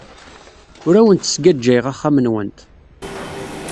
Ur awent-sgajjayeɣ axxam-nwent.